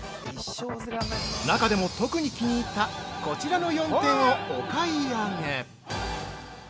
◆中でも特に気に入ったこちらの４点をお買い上げ。